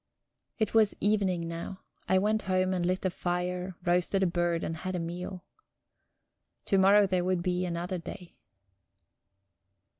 It was evening now. I went home and lit a fire, roasted a bird, and had a meal. To morrow there would be another day...